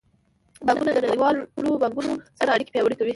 بانکونه د نړیوالو بانکونو سره اړیکې پیاوړې کوي.